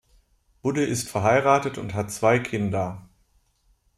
Budde ist verheiratet und hat zwei Kinder.